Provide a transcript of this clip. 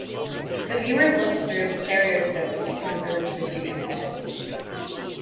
The viewer looked through a stereoscope to converge the two images.